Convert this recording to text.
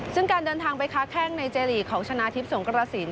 ซึ่งการเดินทางไปค้าแข้งในเจลีกของชนะทิพย์สงกรสิน